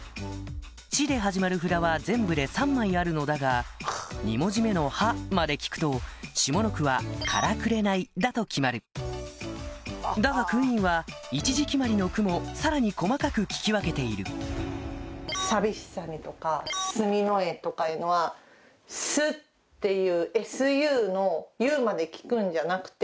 「ち」で始まる札は全部で３枚あるのだが２文字目の「は」まで聞くと下の句は「から紅」だと決まるだがクイーンは１字決まりの句もさらに細かく聞き分けている「さびしさに」とか「すみのえ」とかいうのは。っていう。